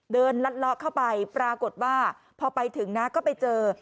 ลัดเลาะเข้าไปปรากฏว่าพอไปถึงนะก็ไปเจอ